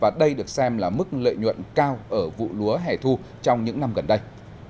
và đây được xem là mức lợi nhuận cao ở vụ lúa hẻ thu trong những năm gần đây